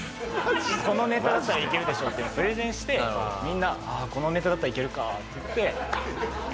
このネタだったらいけるでしょっていうのをプレゼンしてみんなこのネタだったらいけるかっていって。